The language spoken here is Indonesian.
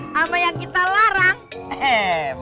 sama yang kita larang eh